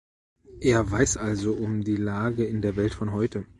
Er weiß also um die Lage in der Welt von heute.